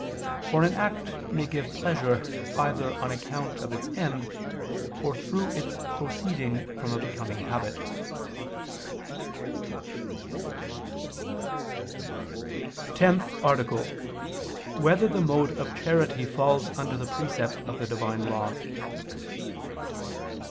For an act may give pleasure either on account of its end, or through its proceeding from a becoming habit. ________________________ TENTH ARTICLE [I II, Q. 100, Art. 10] Whether the Mode of Charity Falls Under the Precept of the Divine Law?